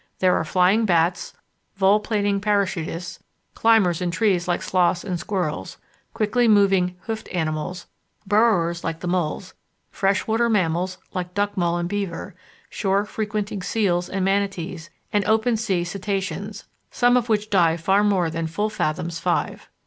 There are flying bats, volplaning parachutists, climbers in trees like sloths and squirrels, quickly moving hoofed mammals, burrowers like the moles, freshwater mammals, like duckmole and beaver, shore frequenting seals and manatees, and open sea cetaceans, some of which dive far more than full fathoms five.